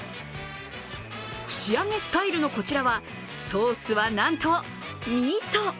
串揚げスタイルのこちらはソースはなんと、みそ。